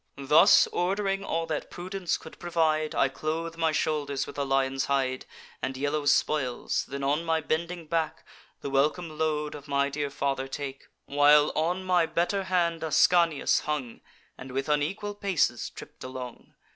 Thus, ord'ring all that prudence could provide, I clothe my shoulders with a lion's hide And yellow spoils; then, on my bending back, The welcome load of my dear father take; While on my better hand Ascanius hung, And with unequal paces tripp'd along.